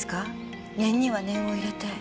念には念を入れて。